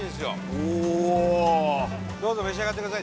うおっどうぞ召し上がってください